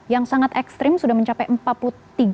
yang sangat ekstrim sudah mencapai